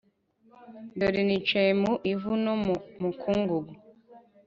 dore nicaye mu ivu no mu mukungugu